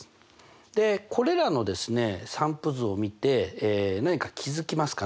でこれらのですね散布図を見て何か気付きますかね？